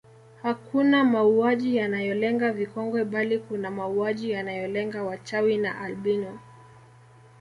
Hakuna mauaji yanayolenga vikongwe bali kuna mauaji yanayolenga wachawi na albino